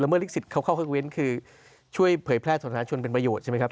แล้วเมื่อฤทธิ์สิทธิ์เข้าข้างเว้นคือช่วยเผยแพร่ธนาชนเป็นประโยชน์ใช่ไหมครับ